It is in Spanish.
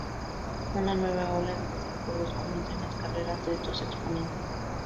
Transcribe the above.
Una nueva ola de desacuerdos comienza en las carreras de estos exponentes.